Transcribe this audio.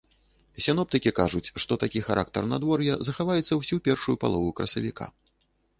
Сіноптыкі кажуць, што такі характар надвор'я захаваецца ўсю першую палову красавіка.